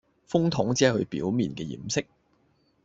風筒只係佢表面嘅掩飾